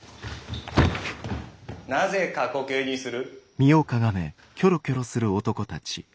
・なぜ過去形にする？